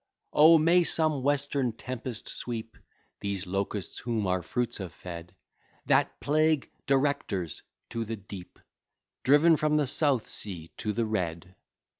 Oh! may some western tempest sweep These locusts whom our fruits have fed, That plague, directors, to the deep, Driven from the South Sea to the Red!